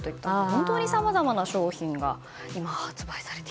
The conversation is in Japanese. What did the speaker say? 本当にさまざまな商品が今、発売されている。